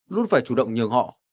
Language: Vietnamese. luôn phải chủ động nhường họ